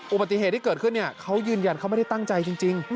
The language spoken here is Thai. อุบัติเหตุที่เกิดขึ้นเขายืนยันเขาไม่ได้ตั้งใจจริง